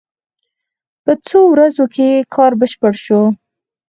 په څو ورځو کې کار بشپړ شو.